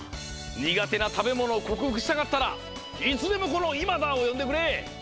苦手な食べものを克服したかったらいつでもこのイマダーをよんでくれ！